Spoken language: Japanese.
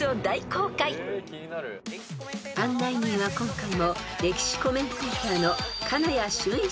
［案内人は今回も］